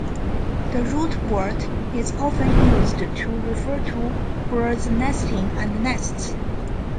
The root word is often used to refer to birds' nesting and nests.